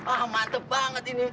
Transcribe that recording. ah mantep banget ini